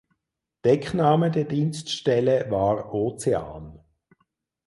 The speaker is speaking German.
Deckname der Dienststelle war "Ozean".